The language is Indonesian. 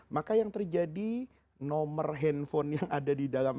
maka yang terjadi nomor handphone yang ada di dalam